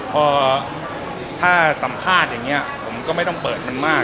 พอถ้าสัมภาษณ์อย่างนี้ผมก็ไม่ต้องเปิดมันมาก